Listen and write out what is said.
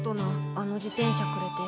あの自転車くれて。